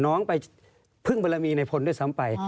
น้องไปพึ่งบรมีในพลด้วยซ้ำไป